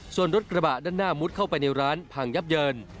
ส่วนรถกระบะด้านหน้ามุดเข้าไปในร้านพังยับเยิน